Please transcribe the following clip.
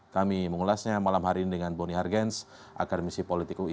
kami mengulasnya malam hari ini dengan boni hargens akademisi politik ui